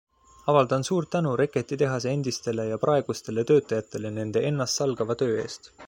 Avaldan suurt tänu reketitehase endistele ja praegustele töötajatele nende ennastsalgava töö eest.